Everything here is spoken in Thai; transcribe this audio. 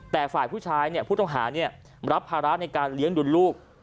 แต่ฝ่ายผู้ชายผู้ต้องหารับภาระในการเลี้ยงดูลูก